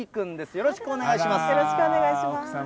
よろしくお願いします。